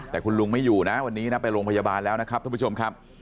แต่คุณลุงไม่อยู่นะวันนี้นะไปโรงพยาบาลแล้วนะครับท่านผู้ชมครับ